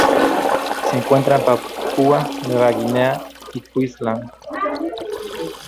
Se encuentra en Papúa Nueva Guinea y Queensland.